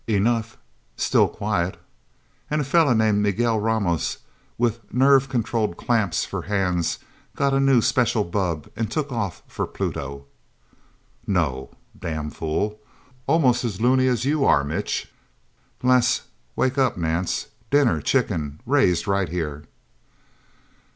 "Enough. Still quiet... And a fella named Miguel Ramos with nerve controlled clamps for hands got a new, special bubb and took off for Pluto." "No! Damn fool... Almost as loony as you are, Mitch." "Less... Wake up, Nance. Dinner... Chicken raised right here..."